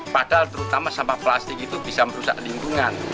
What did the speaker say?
padahal terutama sampah plastik itu bisa merusak lingkungan